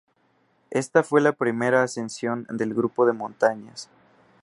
Ésta fue la primera ascensión del grupo de montañas.